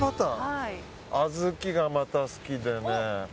小豆がまた好きでね。